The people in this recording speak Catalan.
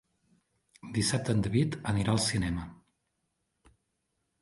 Dissabte en David anirà al cinema.